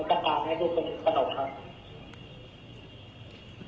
ต้องการให้ลูกสนุกครับ